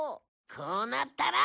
こうなったら。